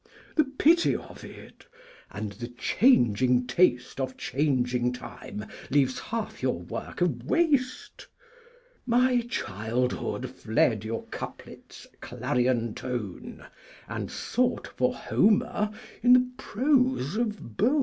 The Pity of it! And the changing Taste Of changing Time leaves half your Work a Waste! My Childhood fled your couplet's clarion tone, And sought for Homer in the Prose of Bohn.